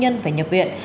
còn trong những lúc